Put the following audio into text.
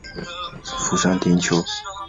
福山町秋田县秋田市出生。